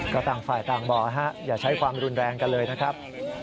ก็ต่างฝ่ายต่างบอกอย่าใช้ความรุนแรงกันเลยนะครับ